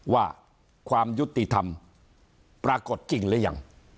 ว่าความยุติธรรมปรากฏจริงหรือยัง